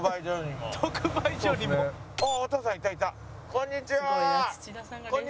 こんにちは！